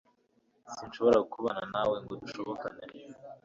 Sinshobora kubana nawengo dushobokane